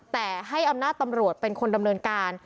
แต่ให้อำนาจตำรวจเป็นคนดำเนินการ